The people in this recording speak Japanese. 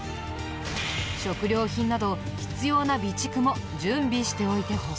食料品など必要な備蓄も準備しておいてほしい。